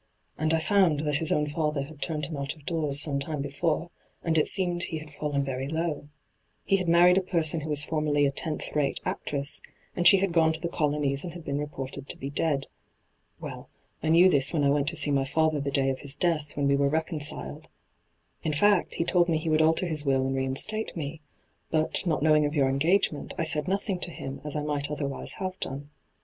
And I found that his own father had turned him out of doors some time before, and it seemed he hiMi &llen very low. He had married a person who was formerly a tenth rate actress, and she had gone to the colonies and had been reported to be dead. Well, I knew this when I went to see my father the day of his death, when we were reconciled — in &ot, he told me he would alter his will and reinstate me ; but, not knowing of your engagement, I said nothing to him, as I might otherwise have done.